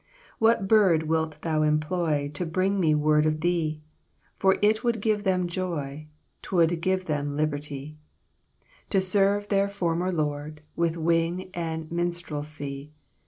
"What bird wilt thou employ To bring me word of thee? For it would give them joy, 'T would give them liberty, To serve their former lord With wing and minstrelsy.